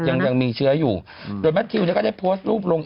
ยังมีเชื้ออยู่โดยแมททิวเนี่ยก็ได้โพสต์รูปลง